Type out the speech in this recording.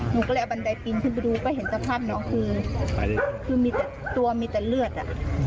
หนูก็เลยเอาบันไดปีนขึ้นไปดูก็เห็นสภาพน้องคือมีแต่ตัวมีแต่เลือดอ่ะ